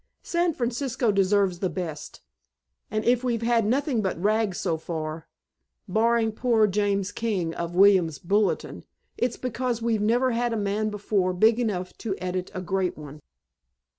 San Francisco deserves the best, and if we've had nothing but rags, so far barring poor James King of William's Bulletin it's because we've never had a man before big enough to edit a great one."